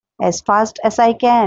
As fast as I can!